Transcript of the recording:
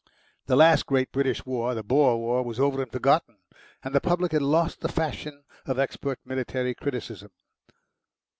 The last great British war, the Boer war, was over and forgotten, and the public had lost the fashion of expert military criticism.